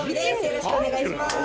よろしくお願いします